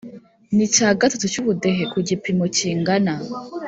N icya gatatu by ubudehe ku gipimo kingana